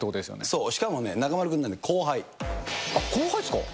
そう、しかもね、中丸君の後あっ、後輩っすか？